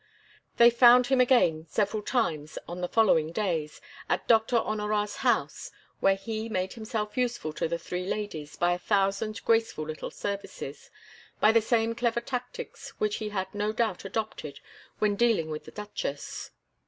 They found him again several times, on the following days, at Doctor Honorat's house, where he made himself useful to the three ladies by a thousand graceful little services, by the same clever tactics which he had no doubt adopted when dealing with the Duchess.